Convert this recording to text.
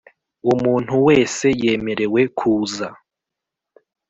Umuntu wese yemerewe kuza.